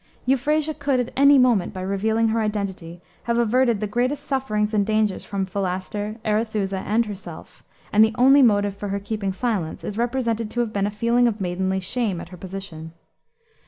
Euphrasia could, at any moment, by revealing her identity, have averted the greatest sufferings and dangers from Philaster, Arethusa, and herself, and the only motive for her keeping silence is represented to have been a feeling of maidenly shame at her position.